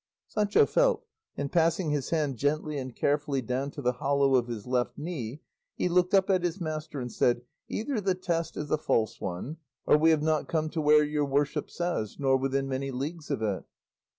Sancho felt, and passing his hand gently and carefully down to the hollow of his left knee, he looked up at his master and said, "Either the test is a false one, or we have not come to where your worship says, nor within many leagues of it."